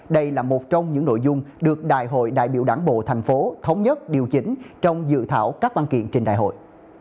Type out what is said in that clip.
đây là một trong những nội dung được đại hội đại biểu đảng bộ thành phố thống nhất điều chỉnh trong dự thảo các văn kiện trình đại hội